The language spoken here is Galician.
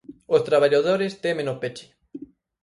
Os traballadores temen o peche.